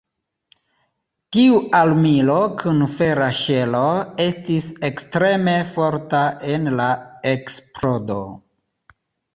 Tiu armilo kun fera ŝelo estis ekstreme forta en la eksplodo.